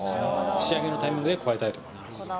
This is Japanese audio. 仕上げのタイミングで加えたいと思います